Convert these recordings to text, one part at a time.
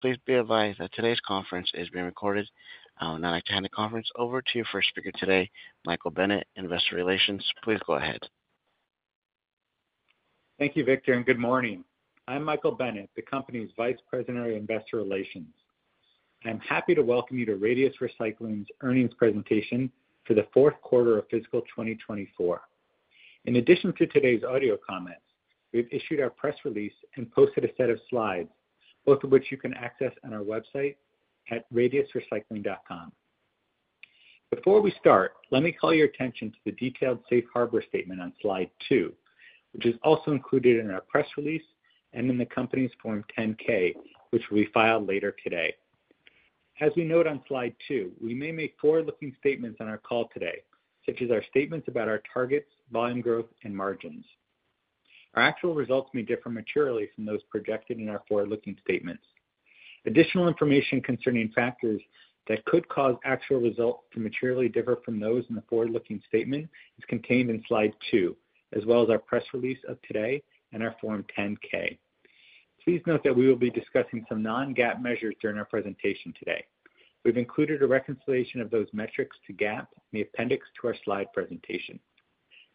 Please be advised that today's conference is being recorded. I will now turn the conference over to our first speaker today, Michael Bennett, Investor Relations. Please go ahead. Thank you, Victor, and good morning. I'm Michael Bennett, the company's Vice President of Investor Relations. I'm happy to welcome you to Radius Recycling's earnings presentation for the fourth quarter of fiscal twenty twenty-four. In addition to today's audio comments, we've issued our press release and posted a set of slides, both of which you can access on our website at radiusrecycling.com. Before we start, let me call your attention to the detailed Safe Harbor statement on slide two, which is also included in our press release and in the company's Form 10-K, which we'll file later today. As we note on slide two, we may make forward-looking statements on our call today, such as our statements about our targets, volume growth, and margins. Our actual results may differ materially from those projected in our forward-looking statements. Additional information concerning factors that could cause actual results to materially differ from those in the forward-looking statement is contained in slide two, as well as our press release of today and our Form 10-K. Please note that we will be discussing some non-GAAP measures during our presentation today. We've included a reconciliation of those metrics to GAAP in the appendix to our slide presentation.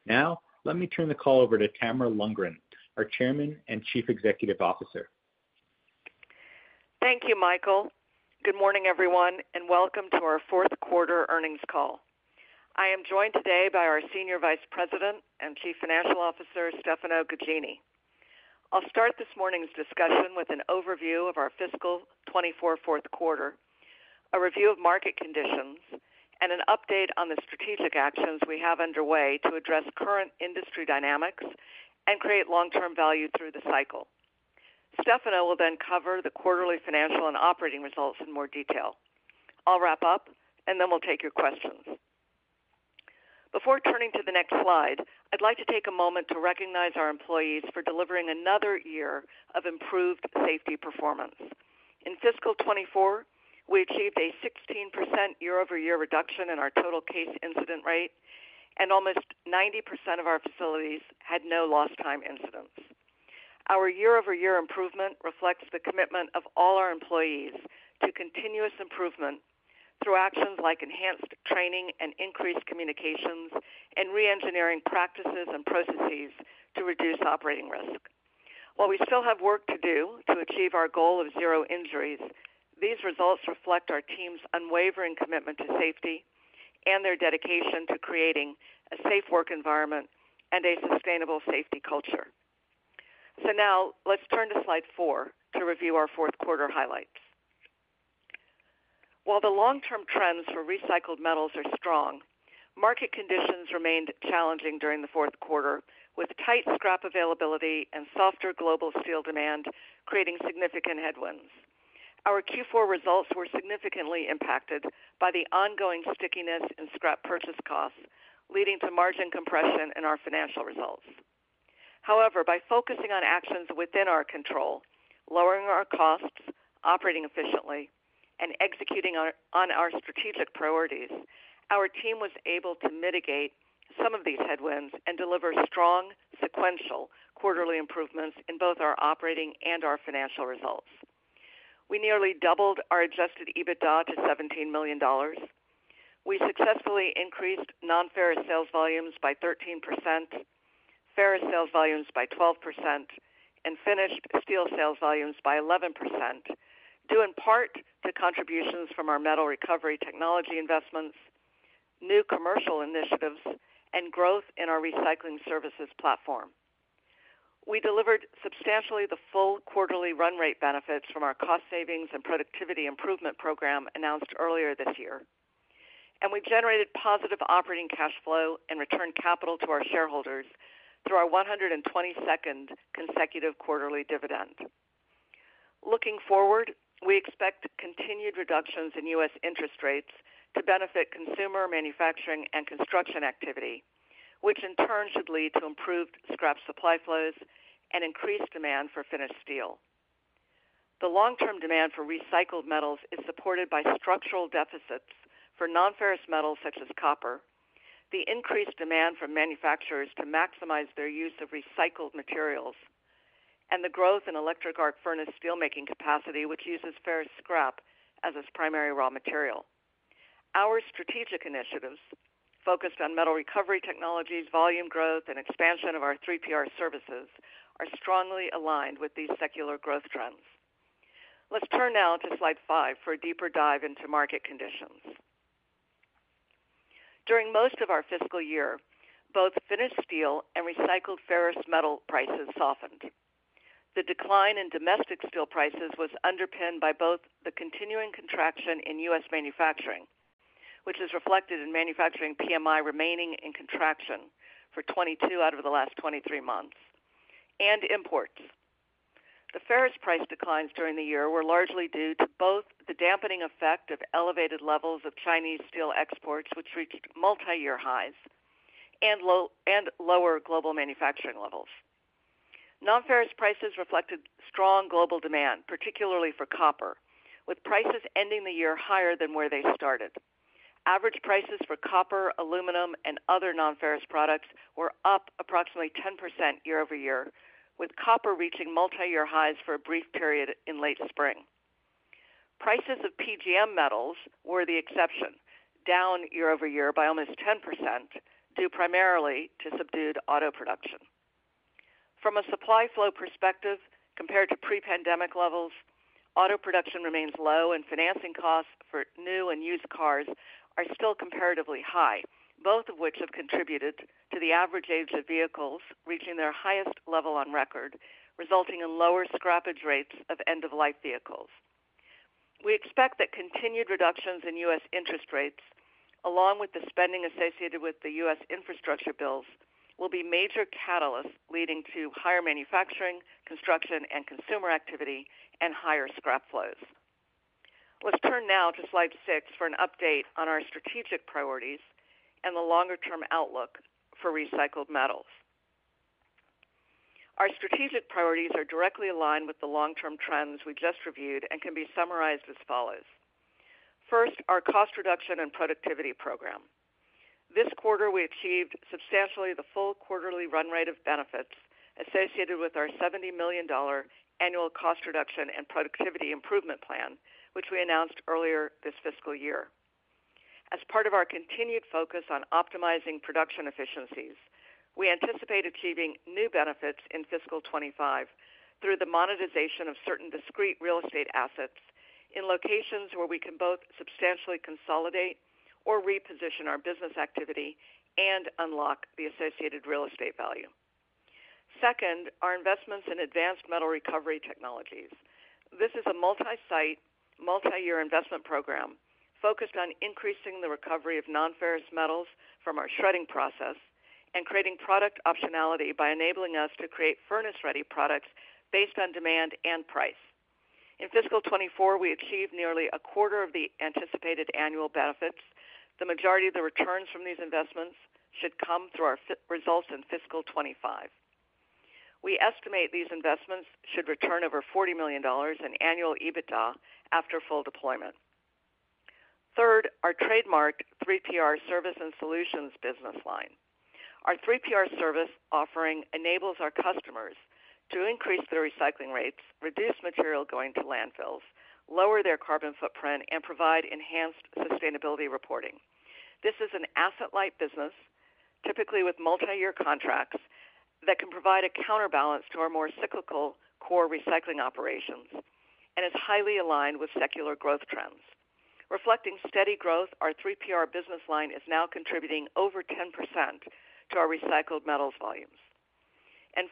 Now, let me turn the call over to Tamara Lundgren, our Chairman and Chief Executive Officer. Thank you, Michael. Good morning, everyone, and welcome to our fourth quarter earnings call. I am joined today by our Senior Vice President and Chief Financial Officer, Stefano Gaggini. I'll start this morning's discussion with an overview of our fiscal twenty-four fourth quarter, a review of market conditions, and an update on the strategic actions we have underway to address current industry dynamics and create long-term value through the cycle. Stefano will then cover the quarterly financial and operating results in more detail. I'll wrap up, and then we'll take your questions. Before turning to the next slide, I'd like to take a moment to recognize our employees for delivering another year of improved safety performance. In fiscal twenty-four, we achieved a 16% year-over-year reduction in our total case incident rate, and almost 90% of our facilities had no lost time incidents. Our year-over-year improvement reflects the commitment of all our employees to continuous improvement through actions like enhanced training and increased communications, and reengineering practices and processes to reduce operating risk. While we still have work to do to achieve our goal of zero injuries, these results reflect our team's unwavering commitment to safety and their dedication to creating a safe work environment and a sustainable safety culture. So now let's turn to slide four to review our fourth quarter highlights. While the long-term trends for recycled metals are strong, market conditions remained challenging during the fourth quarter, with tight scrap availability and softer global steel demand creating significant headwinds. Our Q4 results were significantly impacted by the ongoing stickiness in scrap purchase costs, leading to margin compression in our financial results. However, by focusing on actions within our control, lowering our costs, operating efficiently, and executing on our strategic priorities, our team was able to mitigate some of these headwinds and deliver strong sequential quarterly improvements in both our operating and our financial results. We nearly doubled our Adjusted EBITDA to $17 million. We successfully increased non-ferrous sales volumes by 13%, ferrous sales volumes by 12%, and finished steel sales volumes by 11%, due in part to contributions from our metal recovery technology investments, new commercial initiatives, and growth in our recycling services platform. We delivered substantially the full quarterly run rate benefits from our cost savings and productivity improvement program announced earlier this year, and we generated positive operating cash flow and returned capital to our shareholders through our 122nd consecutive quarterly dividend. Looking forward, we expect continued reductions in U.S. interest rates to benefit consumer, manufacturing, and construction activity, which in turn should lead to improved scrap supply flows and increased demand for finished steel. The long-term demand for recycled metals is supported by structural deficits for non-ferrous metals such as copper, the increased demand from manufacturers to maximize their use of recycled materials, and the growth in electric arc furnace steelmaking capacity, which uses ferrous scrap as its primary raw material. Our strategic initiatives, focused on metal recovery technologies, volume growth, and expansion of our 3PR services, are strongly aligned with these secular growth trends. Let's turn now to slide five for a deeper dive into market conditions. During most of our fiscal year, both finished steel and recycled ferrous metal prices softened. The decline in domestic steel prices was underpinned by both the continuing contraction in U.S. manufacturing, which is reflected in manufacturing PMI remaining in contraction for twenty-two out of the last twenty-three months, and imports. The ferrous price declines during the year were largely due to both the dampening effect of elevated levels of Chinese steel exports, which reached multiyear highs, and low and lower global manufacturing levels. Non-ferrous prices reflected strong global demand, particularly for copper, with prices ending the year higher than where they started. Average prices for copper, aluminum, and other non-ferrous products were up approximately 10% year-over-year, with copper reaching multi-year highs for a brief period in late spring. Prices of PGM metals were the exception, down year-over-year by almost 10%, due primarily to subdued auto production. From a supply flow perspective, compared to pre-pandemic levels, auto production remains low and financing costs for new and used cars are still comparatively high, both of which have contributed to the average age of vehicles reaching their highest level on record, resulting in lower scrappage rates of end-of-life vehicles. We expect that continued reductions in U.S. interest rates, along with the spending associated with the U.S. infrastructure bills, will be major catalysts leading to higher manufacturing, construction, and consumer activity and higher scrap flows. Let's turn now to slide six for an update on our strategic priorities and the longer-term outlook for recycled metals. Our strategic priorities are directly aligned with the long-term trends we just reviewed and can be summarized as follows: first, our cost reduction and productivity program. This quarter, we achieved substantially the full quarterly run rate of benefits associated with our $70 million annual cost reduction and productivity improvement plan, which we announced earlier this fiscal year. As part of our continued focus on optimizing production efficiencies, we anticipate achieving new benefits in fiscal twenty-five through the monetization of certain discrete real estate assets in locations where we can both substantially consolidate or reposition our business activity and unlock the associated real estate value. Second, our investments in advanced metal recovery technologies. This is a multi-site, multi-year investment program focused on increasing the recovery of non-ferrous metals from our shredding process and creating product optionality by enabling us to create furnace-ready products based on demand and price. In fiscal 2024, we achieved nearly a quarter of the anticipated annual benefits. The majority of the returns from these investments should come through our financial results in fiscal 2025. We estimate these investments should return over $40 million in annual EBITDA after full deployment. Third, our trademark 3PR service and solutions business line. Our 3PR service offering enables our customers to increase their recycling rates, reduce material going to landfills, lower their carbon footprint, and provide enhanced sustainability reporting. This is an asset-light business, typically with multi-year contracts, that can provide a counterbalance to our more cyclical core recycling operations and is highly aligned with secular growth trends. Reflecting steady growth, our 3PR business line is now contributing over 10% to our recycled metals volumes.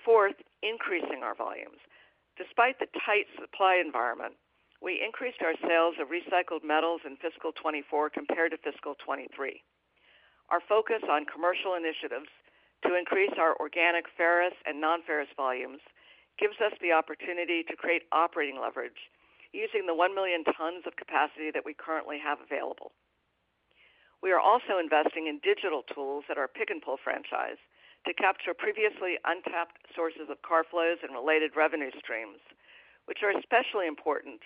Fourth, increasing our volumes. Despite the tight supply environment, we increased our sales of recycled metals in fiscal 2024 compared to fiscal 2023. Our focus on commercial initiatives to increase our organic ferrous and non-ferrous volumes gives us the opportunity to create operating leverage using the one million tons of capacity that we currently have available. We are also investing in digital tools at our Pick-n-Pull franchise to capture previously untapped sources of car flows and related revenue streams, which are especially important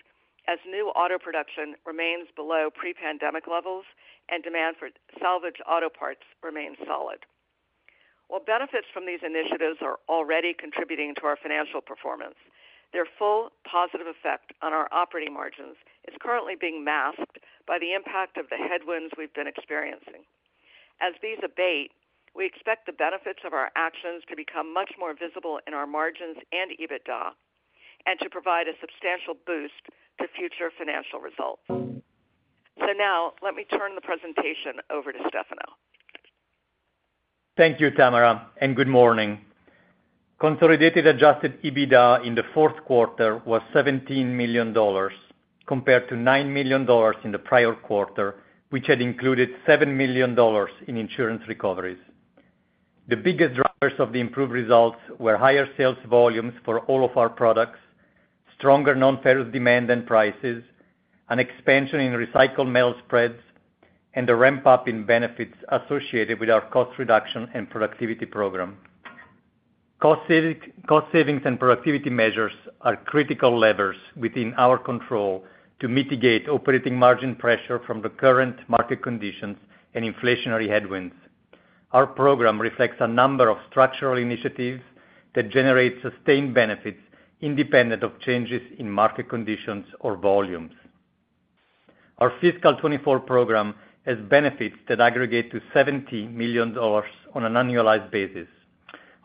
as new auto production remains below pre-pandemic levels and demand for salvage auto parts remains solid. While benefits from these initiatives are already contributing to our financial performance, their full positive effect on our operating margins is currently being masked by the impact of the headwinds we've been experiencing. As these abate, we expect the benefits of our actions to become much more visible in our margins and EBITDA, and to provide a substantial boost to future financial results, so now let me turn the presentation over to Stefano. Thank you, Tamara, and good morning. Consolidated adjusted EBITDA in the fourth quarter was $17 million, compared to $9 million in the prior quarter, which had included $7 million in insurance recoveries. The biggest drivers of the improved results were higher sales volumes for all of our products, stronger non-ferrous demand and prices, an expansion in recycled metal spreads, and a ramp-up in benefits associated with our cost reduction and productivity program. Cost savings and productivity measures are critical levers within our control to mitigate operating margin pressure from the current market conditions and inflationary headwinds. Our program reflects a number of structural initiatives that generate sustained benefits independent of changes in market conditions or volumes. Our fiscal 2024 program has benefits that aggregate to $70 million on an annualized basis,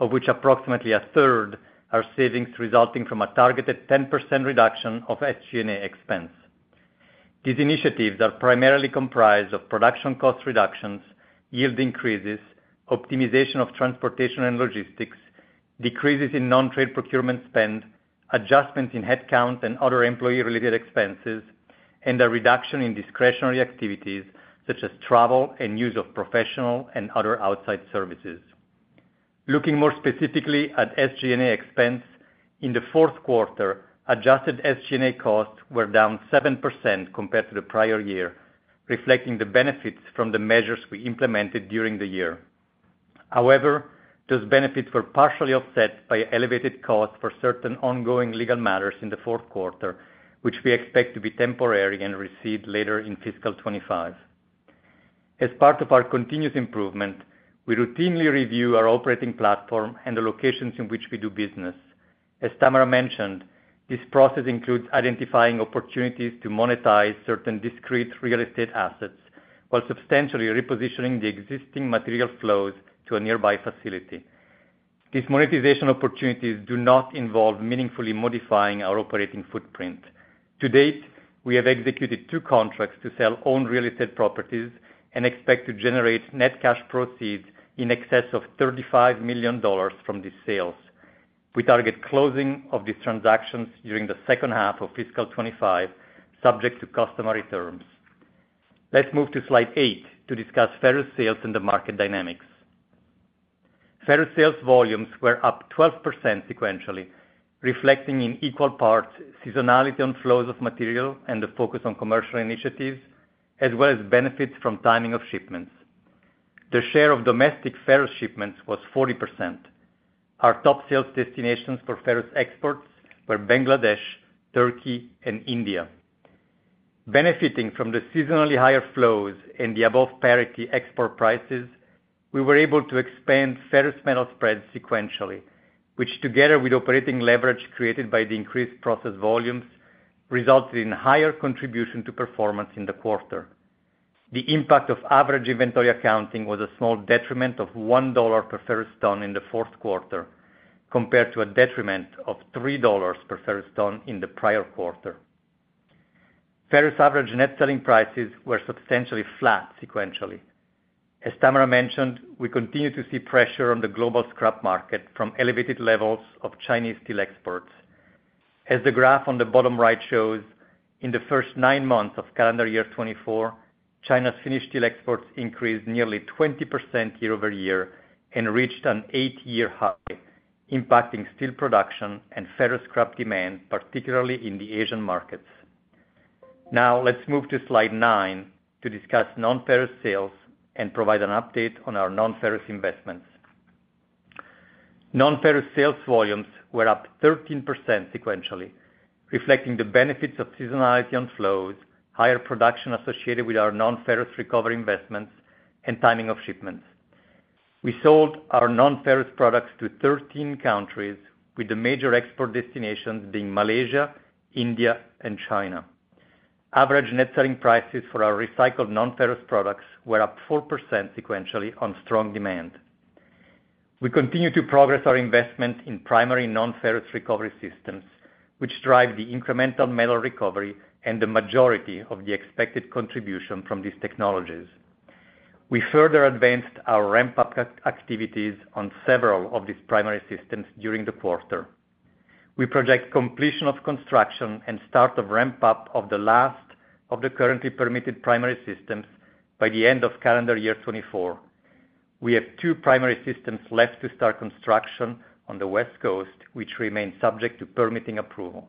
of which approximately a third are savings resulting from a targeted 10% reduction of SG&A expense. These initiatives are primarily comprised of production cost reductions, yield increases, optimization of transportation and logistics, decreases in non-trade procurement spend, adjustments in headcount and other employee-related expenses, and a reduction in discretionary activities, such as travel and use of professional and other outside services. Looking more specifically at SG&A expense, in the fourth quarter, adjusted SG&A costs were down 7% compared to the prior year, reflecting the benefits from the measures we implemented during the year. However, those benefits were partially offset by elevated costs for certain ongoing legal matters in the fourth quarter, which we expect to be temporary and recede later in fiscal 2025. As part of our continuous improvement, we routinely review our operating platform and the locations in which we do business. As Tamara mentioned, this process includes identifying opportunities to monetize certain discrete real estate assets, while substantially repositioning the existing material flows to a nearby facility. These monetization opportunities do not involve meaningfully modifying our operating footprint. To date, we have executed two contracts to sell owned real estate properties and expect to generate net cash proceeds in excess of $35 million from these sales. We target closing of these transactions during the second half of fiscal 2025, subject to customary terms. Let's move to slide eight to discuss ferrous sales and the market dynamics. Ferrous sales volumes were up 12% sequentially, reflecting in equal parts seasonality on flows of material and the focus on commercial initiatives, as well as benefits from timing of shipments. The share of domestic ferrous shipments was 40%. Our top sales destinations for ferrous exports were Bangladesh, Turkey, and India. Benefiting from the seasonally higher flows and the above parity export prices, we were able to expand ferrous metal spreads sequentially, which together with operating leverage created by the increased process volumes, resulted in higher contribution to performance in the quarter. The impact of average inventory accounting was a small detriment of $1 per ferrous ton in the fourth quarter, compared to a detriment of $3 per ferrous ton in the prior quarter. Ferrous average net selling prices were substantially flat sequentially. As Tamara mentioned, we continue to see pressure on the global scrap market from elevated levels of Chinese steel exports. As the graph on the bottom right shows, in the first nine months of calendar year 2024, China's finished steel exports increased nearly 20% year-over-year and reached an eight-year high, impacting steel production and ferrous scrap demand, particularly in the Asian markets. Now, let's move to slide nine to discuss non-ferrous sales and provide an update on our non-ferrous investments. Non-ferrous sales volumes were up 13% sequentially, reflecting the benefits of seasonality on flows, higher production associated with our non-ferrous recovery investments, and timing of shipments. We sold our non-ferrous products to 13 countries, with the major export destinations being Malaysia, India, and China. Average net selling prices for our recycled non-ferrous products were up 4% sequentially on strong demand. We continue to progress our investment in primary non-ferrous recovery systems, which drive the incremental metal recovery and the majority of the expected contribution from these technologies. We further advanced our ramp-up activities on several of these primary systems during the quarter. We project completion of construction and start of ramp-up of the last of the currently permitted primary systems by the end of calendar year 2024. We have two primary systems left to start construction on the West Coast, which remain subject to permitting approval.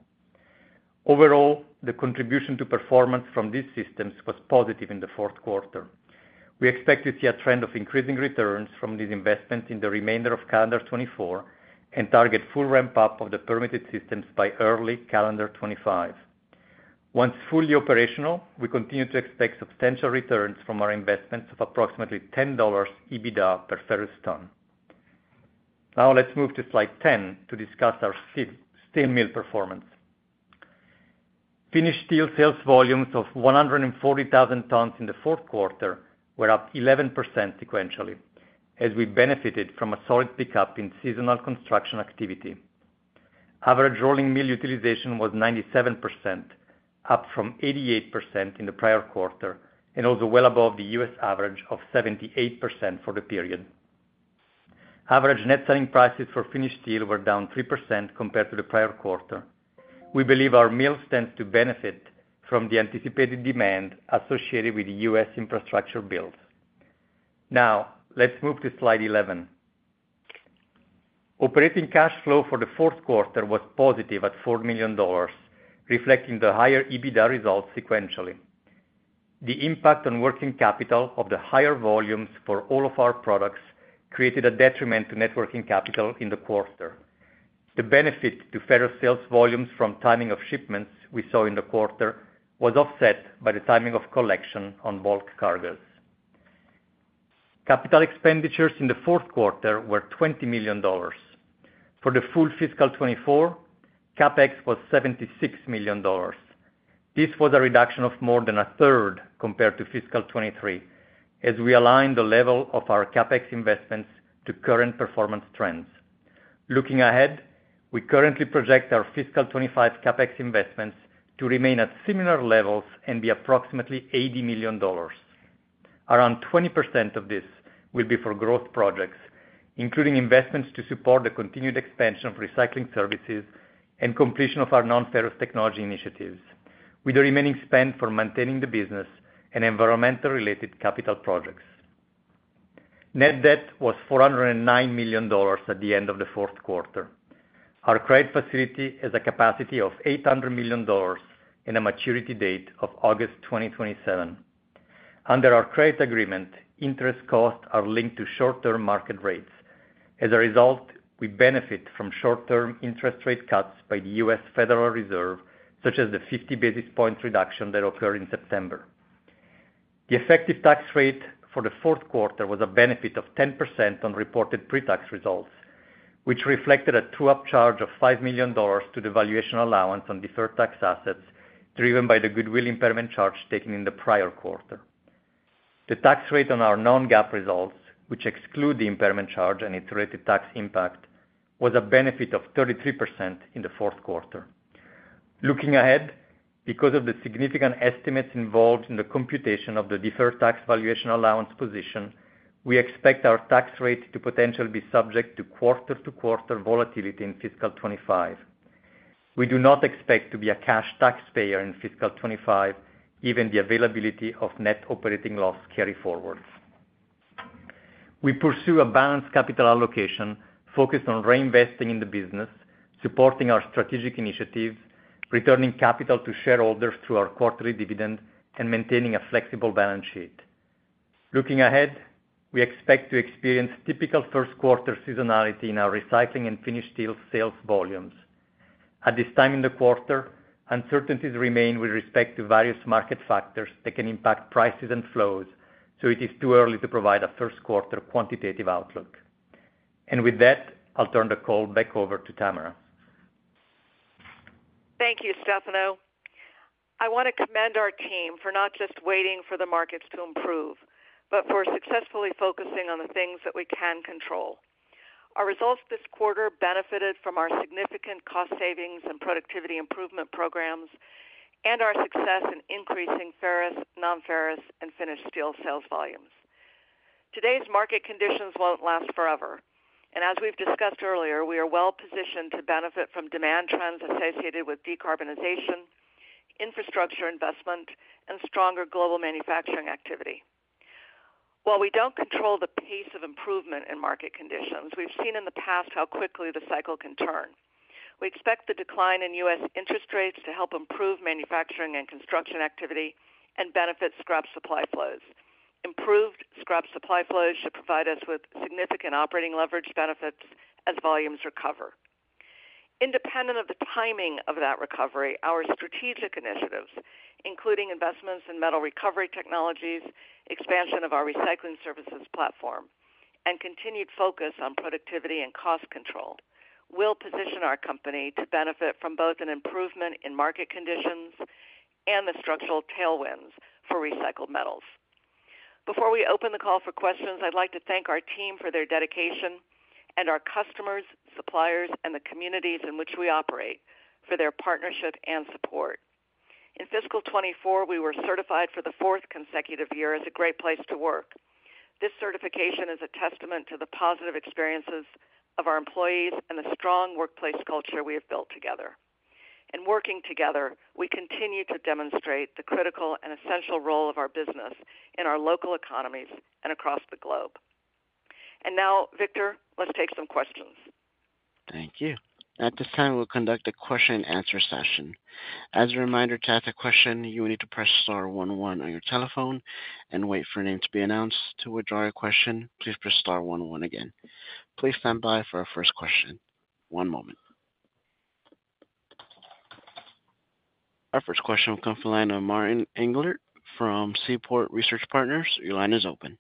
Overall, the contribution to performance from these systems was positive in the fourth quarter. We expect to see a trend of increasing returns from these investments in the remainder of calendar 2024 and target full ramp-up of the permitted systems by early calendar 2025. Once fully operational, we continue to expect substantial returns from our investments of approximately $10 EBITDA per ferrous ton. Now, let's move to slide 10 to discuss our steel mill performance. Finished steel sales volumes of 140,000 tons in the fourth quarter were up 11% sequentially, as we benefited from a solid pickup in seasonal construction activity. Average rolling mill utilization was 97%, up from 88% in the prior quarter, and also well above the U.S. average of 78% for the period. Average net selling prices for finished steel were down 3% compared to the prior quarter. We believe our mill stands to benefit from the anticipated demand associated with the U.S. infrastructure builds. Now, let's move to slide 11. Operating cash flow for the fourth quarter was positive at $4 million, reflecting the higher EBITDA results sequentially. The impact on working capital of the higher volumes for all of our products created a detriment to net working capital in the quarter. The benefit to ferrous sales volumes from timing of shipments we saw in the quarter was offset by the timing of collection on bulk cargoes. Capital expenditures in the fourth quarter were $20 million. For the full fiscal 2024, CapEx was $76 million. This was a reduction of more than a third compared to fiscal 2023, as we align the level of our CapEx investments to current performance trends. Looking ahead, we currently project our fiscal 2025 CapEx investments to remain at similar levels and be approximately $80 million. Around 20% of this will be for growth projects, including investments to support the continued expansion of recycling services and completion of our non-ferrous technology initiatives, with the remaining spend for maintaining the business and environmental-related capital projects. Net debt was $409 million at the end of the fourth quarter. Our credit facility has a capacity of $800 million and a maturity date of August 2027. Under our credit agreement, interest costs are linked to short-term market rates. As a result, we benefit from short-term interest rate cuts by the US Federal Reserve, such as the 50 basis points reduction that occurred in September. The effective tax rate for the fourth quarter was a benefit of 10% on reported pre-tax results, which reflected a true-up charge of $5 million to the valuation allowance on deferred tax assets, driven by the goodwill impairment charge taken in the prior quarter. The tax rate on our non-GAAP results, which exclude the impairment charge and its related tax impact, was a benefit of 33% in the fourth quarter. Looking ahead, because of the significant estimates involved in the computation of the deferred tax valuation allowance position, we expect our tax rate to potentially be subject to quarter-to-quarter volatility in fiscal 2025. We do not expect to be a cash taxpayer in fiscal 2025, given the availability of net operating loss carry forwards. We pursue a balanced capital allocation focused on reinvesting in the business, supporting our strategic initiatives, returning capital to shareholders through our quarterly dividend, and maintaining a flexible balance sheet. Looking ahead, we expect to experience typical first quarter seasonality in our recycling and finished steel sales volumes. At this time in the quarter, uncertainties remain with respect to various market factors that can impact prices and flows, so it is too early to provide a first quarter quantitative outlook, and with that, I'll turn the call back over to Tamara. Thank you, Stefano. I want to commend our team for not just waiting for the markets to improve, but for successfully focusing on the things that we can control. Our results this quarter benefited from our significant cost savings and productivity improvement programs, and our success in increasing ferrous, non-ferrous and finished steel sales volumes. Today's market conditions won't last forever, and as we've discussed earlier, we are well-positioned to benefit from demand trends associated with decarbonization, infrastructure investment, and stronger global manufacturing activity. While we don't control the pace of improvement in market conditions, we've seen in the past how quickly the cycle can turn. We expect the decline in U.S. interest rates to help improve manufacturing and construction activity and benefit scrap supply flows. Improved scrap supply flows should provide us with significant operating leverage benefits as volumes recover. Independent of the timing of that recovery, our strategic initiatives, including investments in metal recovery technologies, expansion of our recycling services platform, and continued focus on productivity and cost control, will position our company to benefit from both an improvement in market conditions and the structural tailwinds for recycled metals. Before we open the call for questions, I'd like to thank our team for their dedication and our customers, suppliers, and the communities in which we operate for their partnership and support. In fiscal 2024, we were certified for the fourth consecutive year as a Great Place to Work. This certification is a testament to the positive experiences of our employees and the strong workplace culture we have built together. In working together, we continue to demonstrate the critical and essential role of our business in our local economies and across the globe. And now, Victor, let's take some questions. Thank you. At this time, we'll conduct a question and answer session. As a reminder, to ask a question, you will need to press star one one on your telephone and wait for your name to be announced. To withdraw your question, please press star one one again. Please stand by for our first question. One moment. Our first question will come from the line of Martin Englert from Seaport Research Partners. Your line is open.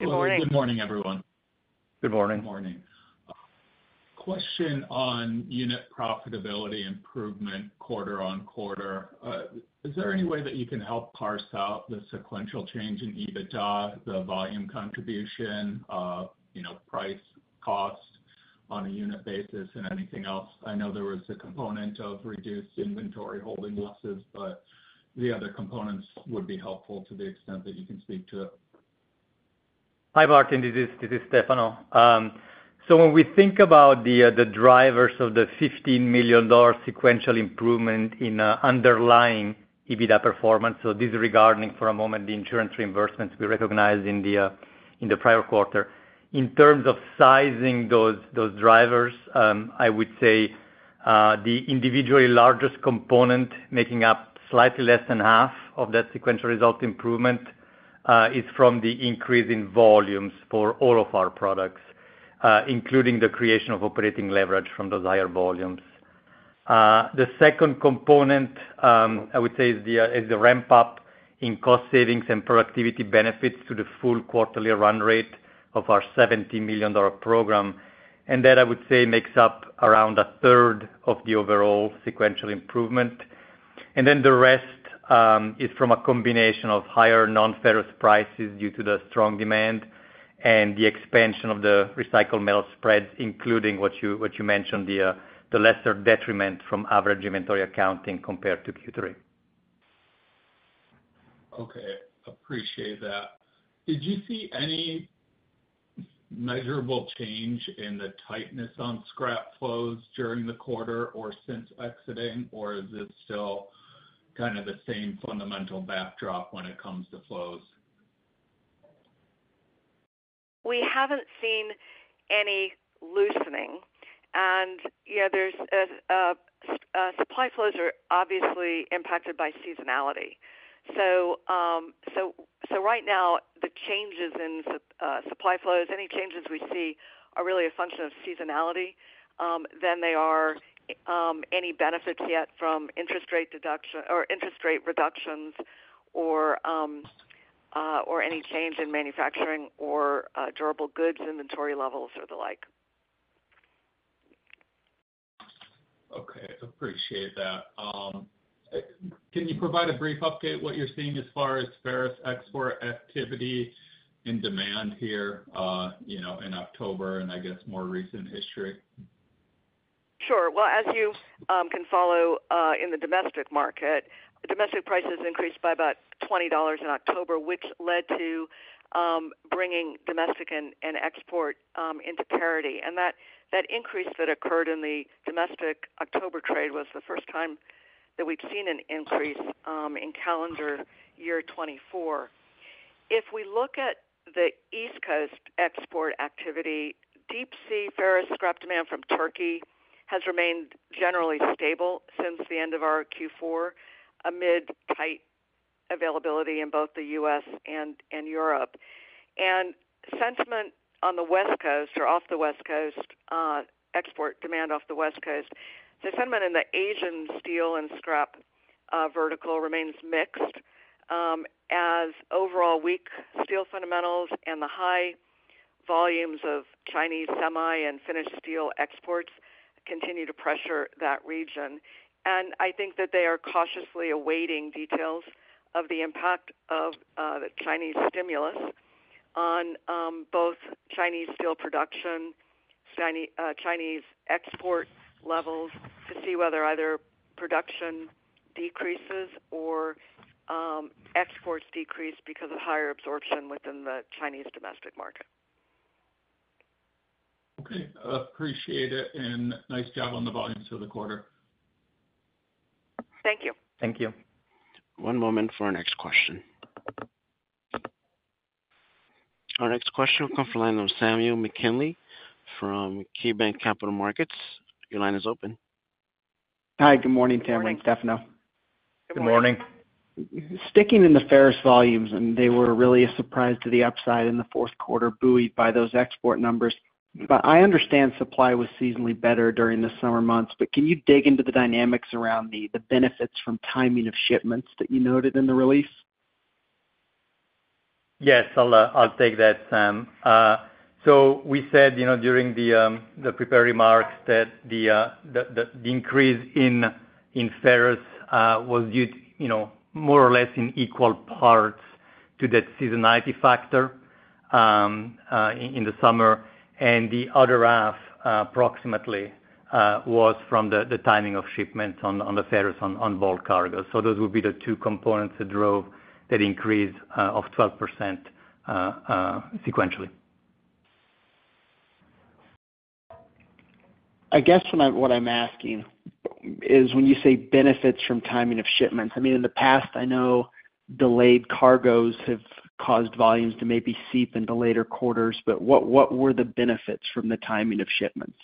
Good morning. Good morning, everyone. Good morning. Good morning. Question on unit profitability improvement quarter on quarter. Is there any way that you can help parse out the sequential change in EBITDA, the volume contribution, you know, price, cost on a unit basis and anything else? I know there was a component of reduced inventory holding losses, but the other components would be helpful to the extent that you can speak to it. Hi, Martin. This is Stefano. So when we think about the drivers of the $15 million sequential improvement in underlying EBITDA performance, so disregarding for a moment the insurance reimbursements we recognized in the prior quarter. In terms of sizing those drivers, I would say the individually largest component, making up slightly less than half of that sequential result improvement, is from the increase in volumes for all of our products, including the creation of operating leverage from those higher volumes. The second component, I would say, is the ramp-up in cost savings and productivity benefits to the full quarterly run rate of our $70 million program. And that, I would say, makes up around a third of the overall sequential improvement. And then the rest is from a combination of higher non-ferrous prices due to the strong demand and the expansion of the recycled metal spreads, including what you mentioned, the lesser detriment from average inventory accounting compared to Q3. Okay. Appreciate that. Did you see any measurable change in the tightness on scrap flows during the quarter or since exiting? Or is it still kind of the same fundamental backdrop when it comes to flows?... We haven't seen any loosening. And, yeah, the supply flows are obviously impacted by seasonality. So, right now, the changes in supply flows, any changes we see are really a function of seasonality than they are any benefits yet from interest rate reduction or interest rate reductions or any change in manufacturing or durable goods inventory levels or the like. Okay, appreciate that. Can you provide a brief update, what you're seeing as far as ferrous export activity and demand here, you know, in October and I guess more recent history? Sure. Well, as you can follow in the domestic market, the domestic prices increased by about $20 in October, which led to bringing domestic and export into parity. And that increase that occurred in the domestic October trade was the first time that we've seen an increase in calendar year 2024. If we look at the East Coast export activity, deep sea ferrous scrap demand from Turkey has remained generally stable since the end of our Q4, amid tight availability in both the U.S. and Europe. And sentiment on the West Coast or off the West Coast, export demand off the West Coast, sentiment in the Asian steel and scrap vertical remains mixed as overall weak steel fundamentals and the high volumes of Chinese semi and finished steel exports continue to pressure that region. I think that they are cautiously awaiting details of the impact of the Chinese stimulus on both Chinese steel production, Chinese export levels, to see whether either production decreases or exports decrease because of higher absorption within the Chinese domestic market. Okay, appreciate it, and nice job on the volumes for the quarter. Thank you. Thank you. One moment for our next question. Our next question will come from the line of Samuel McKinley from KeyBanc Capital Markets. Your line is open. Hi, good morning, Tam and Stefano. Good morning. Good morning. Sticking in the ferrous volumes, and they were really a surprise to the upside in the fourth quarter, buoyed by those export numbers. But I understand supply was seasonally better during the summer months, but can you dig into the dynamics around the benefits from timing of shipments that you noted in the release? Yes, I'll take that, Sam. So we said, you know, during the prepared remarks that the increase in ferrous was due, you know, more or less in equal parts to that seasonality factor in the summer, and the other half, approximately, was from the timing of shipments on the ferrous on bulk cargo. So those would be the two components that drove that increase of 12%, sequentially. I guess what I'm asking is when you say benefits from timing of shipments, I mean, in the past, I know delayed cargoes have caused volumes to maybe seep into later quarters, but what were the benefits from the timing of shipments?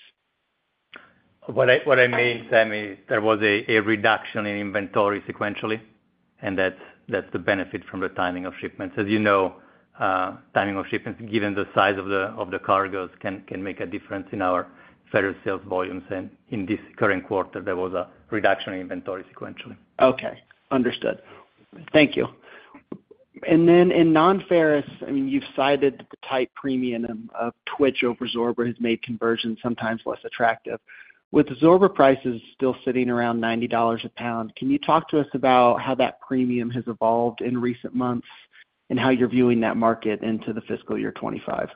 What I mean, Sam, is there was a reduction in inventory sequentially, and that's the benefit from the timing of shipments. As you know, timing of shipments, given the size of the cargoes, can make a difference in our ferrous sales volumes. And in this current quarter, there was a reduction in inventory sequentially. Okay, understood. Thank you. And then in non-ferrous, I mean, you've cited the tight premium of Twitch over Zorba has made conversion sometimes less attractive. With Zorba prices still sitting around $90 a pound, can you talk to us about how that premium has evolved in recent months, and how you're viewing that market into the fiscal year 2025?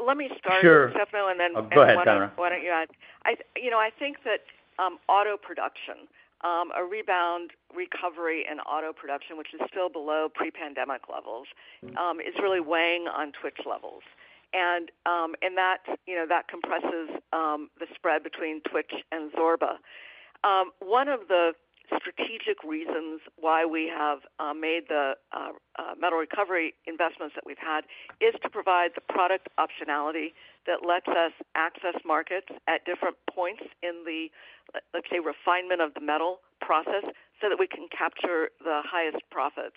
Let me start. Sure. Stefano, and then- Go ahead, Tamara. Why don't you add? You know, I think that auto production, a rebound recovery in auto production, which is still below pre-pandemic levels, is really weighing on Twitch levels. And that, you know, that compresses the spread between Twitch and Zorba. One of the strategic reasons why we have made the metal recovery investments that we've had is to provide the product optionality that lets us access markets at different points in the, let's say, refinement of the metal process, so that we can capture the highest profits.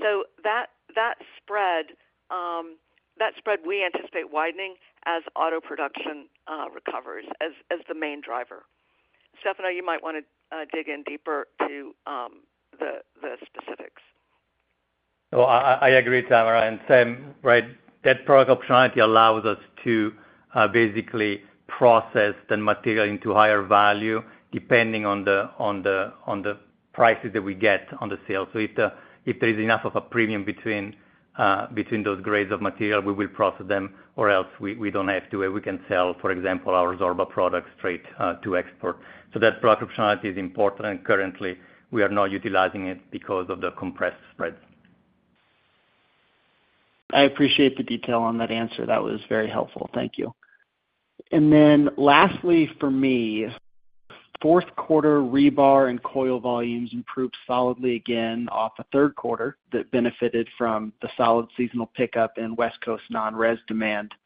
So that, that spread we anticipate widening as auto production recovers, as the main driver. Stefano, you might want to dig in deeper to the specifics. I agree, Tamara, and Sam, right. That product optionality allows us to basically process the material into higher value, depending on the prices that we get on the sale. So if there is enough of a premium between those grades of material, we will process them, or else we don't have to, where we can sell, for example, our Zorba product straight to export. So that product optionality is important, and currently, we are not utilizing it because of the compressed spreads. I appreciate the detail on that answer. That was very helpful. Thank you. Then lastly, for me, fourth quarter rebar and coil volumes improved solidly again off the third quarter that benefited from the solid seasonal pickup in West Coast non-res demand. I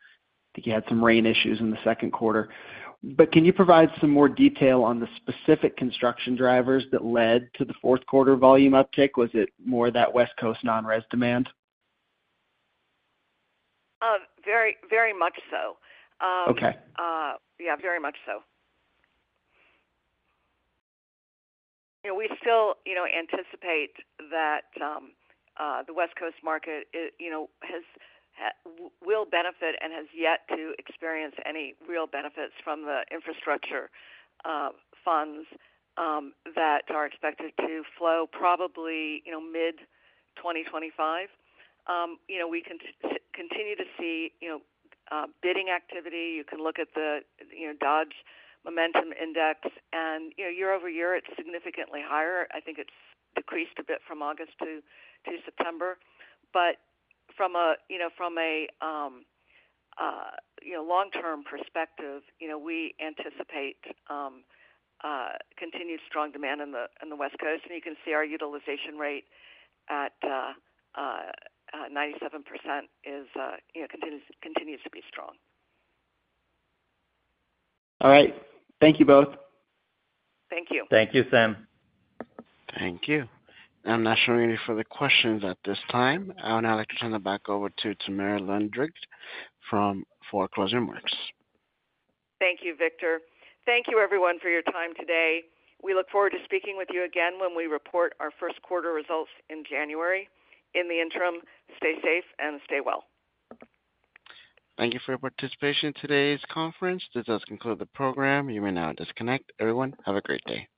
think you had some rain issues in the second quarter. But can you provide some more detail on the specific construction drivers that led to the fourth quarter volume uptick? Was it more that West Coast non-res demand? Very, very much so. Okay. Yeah, very much so. You know, we still, you know, anticipate that the West Coast market you know will benefit and has yet to experience any real benefits from the infrastructure funds that are expected to flow probably, you know, mid-2025. You know, we continue to see, you know, bidding activity. You can look at the, you know, Dodge Momentum Index, and, you know, year over year, it's significantly higher. I think it's decreased a bit from August to September. But from a, you know, long-term perspective, you know, we anticipate continued strong demand on the West Coast, and you can see our utilization rate at 97% is, you know, continues to be strong. All right. Thank you both. Thank you. Thank you, Sam. Thank you. I'm not showing any further questions at this time. I would now like to turn it back over to Tamara Lundgren from, for closing remarks. Thank you, Victor. Thank you everyone for your time today. We look forward to speaking with you again when we report our first quarter results in January. In the interim, stay safe and stay well. Thank you for your participation in today's conference. This does conclude the program. You may now disconnect. Everyone, have a great day.